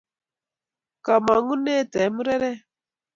Komang’une te murere